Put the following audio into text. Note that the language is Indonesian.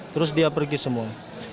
terus dia pergi semua